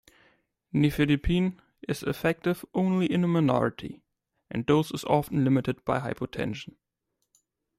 Nifedipine is effective only in a minority, and dose is often limited by hypotension.